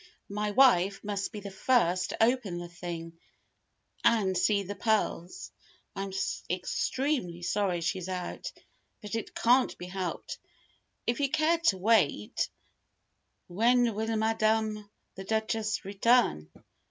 "My wife must be the first to open the thing, and see the pearls. I'm extremely sorry she's out. But it can't be helped. If you care to wait " "When will Madame the Duchess return?"